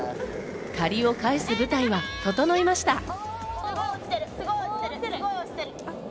借りを返す舞台は整いました。